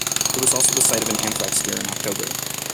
It was also the site of an anthrax scare in October.